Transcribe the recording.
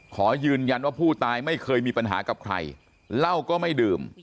ขอยืนยันว่าผู้ตายไม่เคยมีปัญหากับใครเหล้าก็ไม่ดื่ม